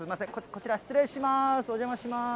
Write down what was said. こちら、失礼します。